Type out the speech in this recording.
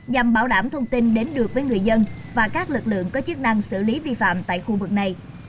nhằm bảo đảm thông tin đến được với người dân và các lực lượng có chức năng xử lý vi phạm tại khu vực này